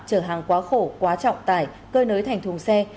chở hàng quá khổ quá trọng tải cơi nới thành thùng xe